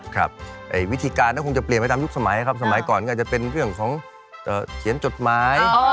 ครับวิธีการก็คงจะเปลี่ยนไปตามยุคสมัยครับสมัยก่อนก็จะเป็นเรื่องของเขียนจดหมาย